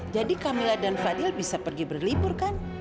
jadi kamila dan fadil bisa pergi berlibur kan